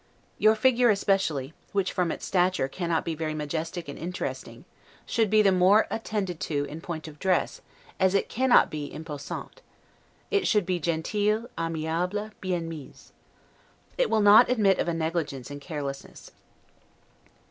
Your figure especially, which from its stature cannot be very majestic and interesting, should be the more attended to in point of dress as it cannot be 'imposante', it should be 'gentile, aimable, bien mise'. It will not admit of negligence and carelessness.